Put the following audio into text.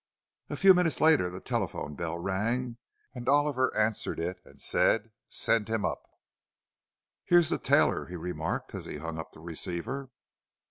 A few minutes later the telephone bell rang, and Oliver answered it and said, "Send him up." "Here's the tailor," he remarked, as he hung up the receiver.